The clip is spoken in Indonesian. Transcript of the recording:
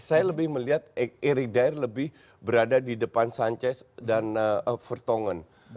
saya lebih melihat eric dier lebih berada di depan sanchez dan vertonghen